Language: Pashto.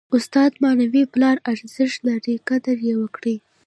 استاد د معنوي پلار ارزښت لري. قدر ئې وکړئ!